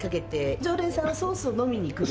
常連さんはソースを飲みに来るって。